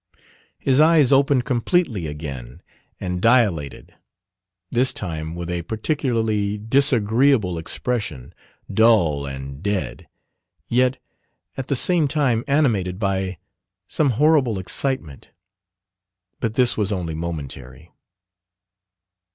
His eyes opened completely again and dilated: this time with a particularly disagreeable expression, dull and dead, yet at the same time animated by some horrible excitement. But this was only momentary.